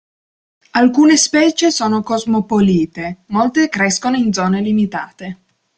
Alcune specie sono cosmopolite, molte crescono in zone limitate.